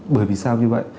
bởi vì sao như vậy